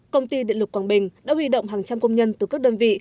công ty điện lực quảng bình đã huy động hàng trăm công nhân từ các đơn vị